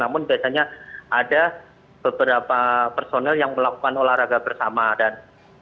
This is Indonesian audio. namun biasanya ada beberapa personel yang melakukan olahraga bersama dan